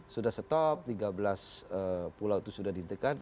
sudah stop tiga belas pulau itu sudah dihentikan